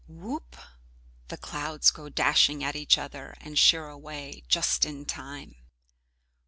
Whoop! The clouds go dashing at each other and sheer away just in time.